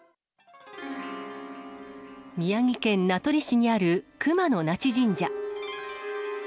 宮城県名取市にある熊野那智神社。